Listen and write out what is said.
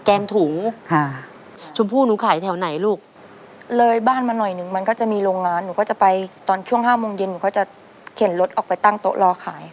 แกงถูชมพู่หนูขายแถวไหนลูกเลยบ้านมาหน่อยหนึ่งมันก็จะมีโรงงานหนูก็จะไปตอนช่วงห้าโมงเย็นหนูก็จะเข็นรถออกไปตั้งโต๊ะรอขาย